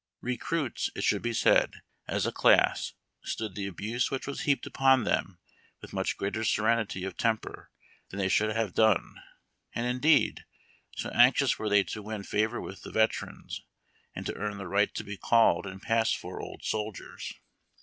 Recruits, it should be said, as a class, stood the abuse which was heaped upon them with much greater serenity of temper than they should have done, and, indeed, so anxious were they to win favor with the veterans, and to earn the right to be called and pass for old soldiers, BAW RECRUITS.